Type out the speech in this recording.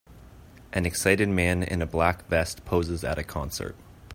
An excited man in a black vest poses at a concert.